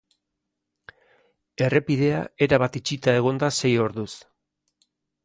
Errepidea erabat itxita egon da sei orduz.